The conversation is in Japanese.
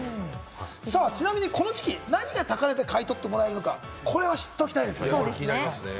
ちなみにこの時期、何が高値で買い取ってもらえるのか、これは知っておきたいですね。